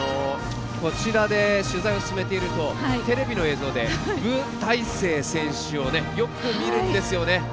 こちらで取材を進めているとテレビの映像で武大靖選手をよく見るんですよね。